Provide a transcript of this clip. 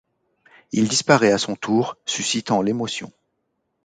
Il disparait à son tour, suscitant l'émotion.